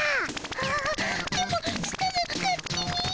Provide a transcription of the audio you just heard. あああでもしたが勝手に。